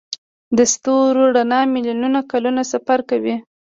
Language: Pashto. د ستورو رڼا میلیونونه کلونه سفر کوي.